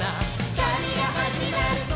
「旅が始まるぞ！」